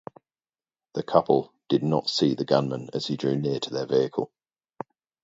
The couple did not see the gunman as he drew near their vehicle.